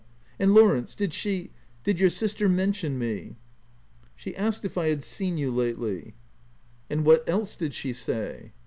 — And Lawrence, did she— did your sister mention me }" "She asked if I had seen you lately." 174 THE TENANT " And what else did she say